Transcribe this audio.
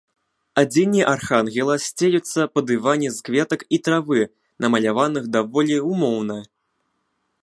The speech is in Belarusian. Адзенні архангела сцелюцца па дыване з кветак і травы, намаляваных даволі ўмоўна.